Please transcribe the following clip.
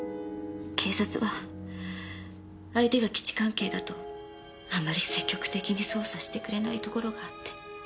警察は相手が基地関係だとあんまり積極的に捜査してくれないところがあって。